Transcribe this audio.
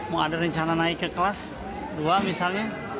mau ada rencana naik ke kelas dua misalnya